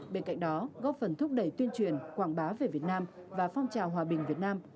bên cạnh đó góp phần thúc đẩy tuyên truyền quảng bá về việt nam và phong trào hòa bình việt nam